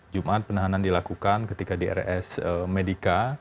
jumat penahanan dilakukan ketika di rs medica